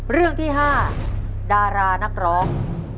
เรื่องที่๕ดารานักร้อง